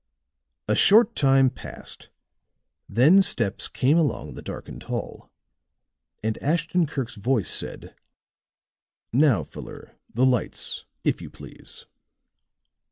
A short time passed; then steps came along the darkened hall, and Ashton Kirk's voice said: "Now, Fuller, the lights, if you please."